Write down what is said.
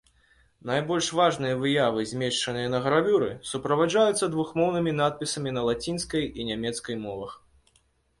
Найбольш важныя выявы, змешчаныя на гравюры, суправаджаюцца двухмоўнымі надпісамі на лацінскай і нямецкай мовах.